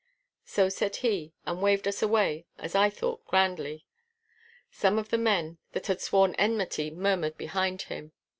So said he, and waved us away, as I thought grandly. Some of the men that had sworn enmity murmured behind him.